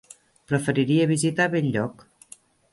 Preferiria visitar Benlloc.